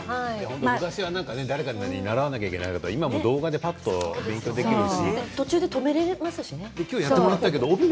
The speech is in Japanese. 昔は誰かに習わないといけないんですが、今は動画でぱっと勉強できるし。